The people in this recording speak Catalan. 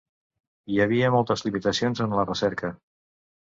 Hi havia moltes limitacions en la recerca.